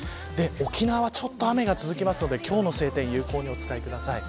沖縄、ちょっと雨が続くので今日の晴天を有効にお使いください。